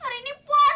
hari ini puasa deh